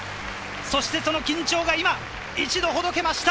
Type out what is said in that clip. そしてその緊張が今、一度ほどけました。